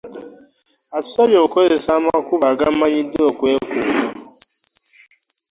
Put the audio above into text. Atusabye okukozesa amakubo agamanyiddwa okukeekuuma.